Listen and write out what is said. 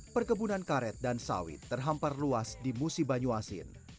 perkebunan karet dan sawit terhampar luas di musi banyuasin